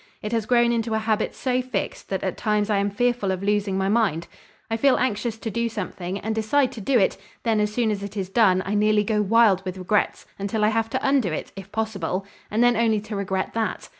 It has grown into a habit so fixed that at times I am fearful of losing my mind. I feel anxious to do something and decide to do it, then as soon as it is done, I nearly go wild with regrets until I have to undo it, if possible, and then only to regret that.